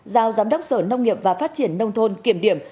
giao giám đốc sở nông nghiệp và phát triển nông thôn kiểm điểm